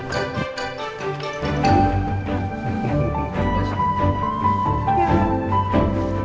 sebarang pertama dengan total nilai sembilan puluh enam jatuh kepada elsa anindita